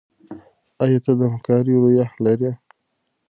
ایا ته د همکارۍ روحیه لرې؟